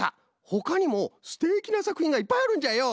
ほかにもすてきなさくひんがいっぱいあるんじゃよ。